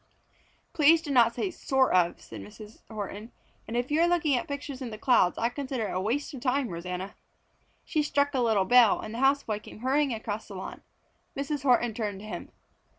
"Please do not say 'sort of,'" said Mrs. Horton. "And if you are looking at pictures in the clouds, I consider it a waste of time, Rosanna!" She struck a little bell, and the house boy came hurrying across the lawn. Mrs. Horton turned to him.